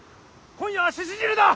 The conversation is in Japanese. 今夜は鹿汁だ！